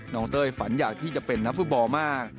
เต้ยฝันอยากที่จะเป็นนักฟุตบอลมาก